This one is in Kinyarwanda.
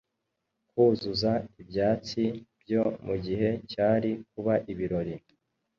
kuzuza ibyatsi byo mu gihe cyari kuba ibirori